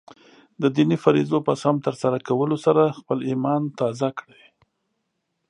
د دیني فریضو په سم ترسره کولو سره خپله ایمان تازه کړئ.